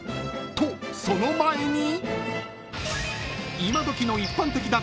［とその前に］